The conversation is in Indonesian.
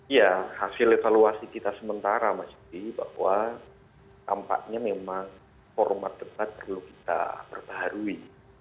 ya hasil evaluasi kita sementara mas yudi bahwa tampaknya memang format debat perlu kita perbaharui